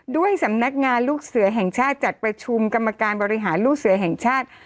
ด้วยสำนักงานลูกเสือแห่งชาติจัดประชุมกรรมการบริหารลูกเสือแห่งชาติ